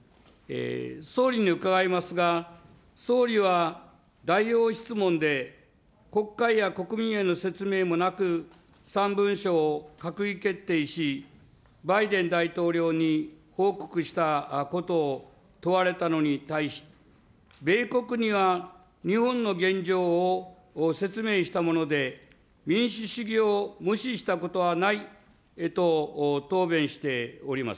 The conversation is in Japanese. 総理に伺いますが、総理は代表質問で、国会や国民への説明もなく、３文書を閣議決定し、バイデン大統領に報告したことを問われたのに対して、米国には、日本の現状を説明したもので、民主主義を無視したことはないと答弁しております。